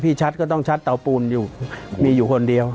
พี่ชัตริ์ก็ต้องชัตริ์เตาปูนอยู่มีอยู่คนเดียว